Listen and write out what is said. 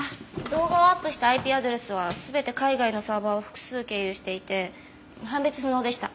動画をアップしたＩＰアドレスは全て海外のサーバーを複数経由していて判別不能でした。